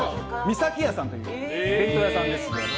咲家さんというお弁当屋さんです。